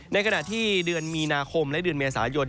ในขณะที่เดือนมีนาคมและเดือนเมษายน